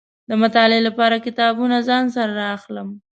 د مطالعې لپاره کتابونه ځان سره را اخلم.